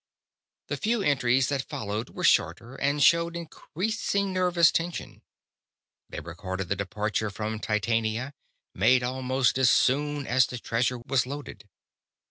The few entries that followed were shorter, and showed increasing nervous tension. They recorded the departure from Titania, made almost as soon as the treasure was loaded.